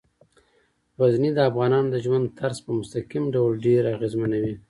غزني د افغانانو د ژوند طرز په مستقیم ډول ډیر اغېزمنوي.